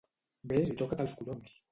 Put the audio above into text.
Ves i toca't els collons!